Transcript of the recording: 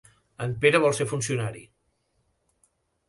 En Pere vol ser funcionari.